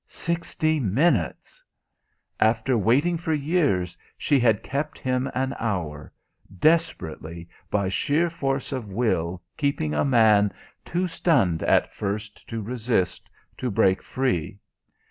Sixty minutes! After waiting for years she had kept him an hour, desperately, by sheer force of will keeping a man too stunned at first to resist, to break free.